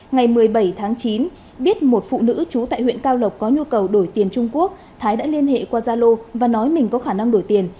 ngày một mươi bảy tháng chín biết một phụ nữ trú tại huyện cao lộc có nhu cầu đổi tiền trung quốc thái đã liên hệ qua gia lô và nói mình có khả năng đổi tiền